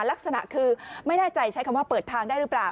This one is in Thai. ลักษณะคือไม่แน่ใจใช้คำว่าเปิดทางได้หรือเปล่า